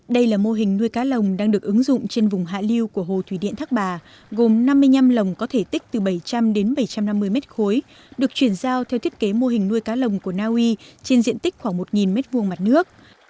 đây là mô hình nuôi cá lồng đang được ứng dụng trên vùng hạ liêu của hồ thủy điện thác bà gồm năm mươi năm lồng có thể tích từ bảy trăm linh đến bảy trăm năm mươi mét khối được chuyển giao theo thiết kế mô hình nuôi cá lồng của naui trên diện tích khoảng một m hai mặt nước